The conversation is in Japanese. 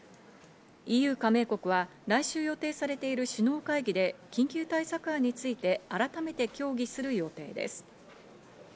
ＥＵ加盟国は来週予定されている首脳会議で緊急対策案について改めて協議する予定です。